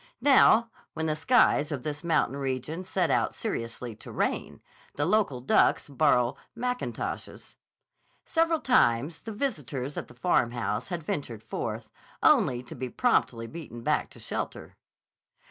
Now, when the skies of this mountain region set out seriously to rain, the local ducks borrow mackintoshes. Several times the visitor at the Farmhouse had ventured forth, only to be promptly beaten back to shelter.